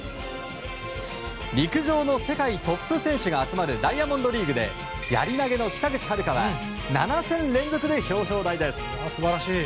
陸上の世界トップ選手が集まるダイヤモンドリーグでやり投げの北口榛花は７戦連続で表彰台です。